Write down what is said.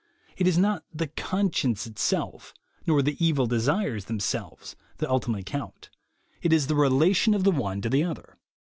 It is not the "conscience" in itself, nor the "evil" desires in themselves, that ultimately count; it is the relation of the one to the other.